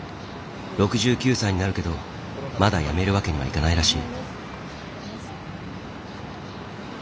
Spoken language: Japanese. ６９歳になるけどまだ辞めるわけにはいかないらしい。